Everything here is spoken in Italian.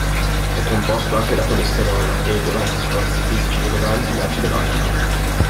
È composto anche da colesterolo e, durante sforzi fisici rilevanti, acido lattico.